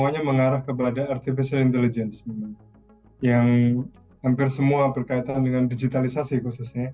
semuanya mengarah kepada artificial intelligence yang hampir semua berkaitan dengan digitalisasi khususnya